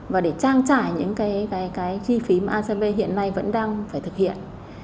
và để trang trải những cái chi phí mà acv hiện nay vẫn đang phải thực hiện